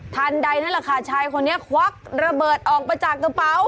ทันใดเนี้ยละค่ะชายคนนี้ควักระเบิดออกไปจากกระเฝา